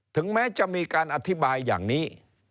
ถึงแม้จะมีการอธิบายอย่างนี้